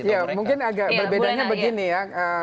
ya mungkin agak berbedanya begini ya